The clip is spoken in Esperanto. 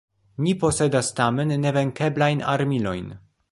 Ni posedas, tamen, nevenkeblajn armilojn.